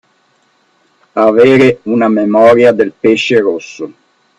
Avere una memoria del pesce rosso.